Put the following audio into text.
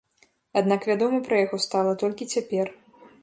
Аднак вядома пра яго стала толькі цяпер.